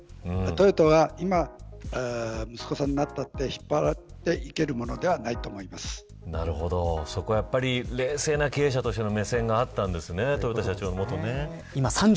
トヨタは今、息子さんになって引っ張っていけるものではないとそこはやっぱり、冷静な経営者としての目線があったんですね。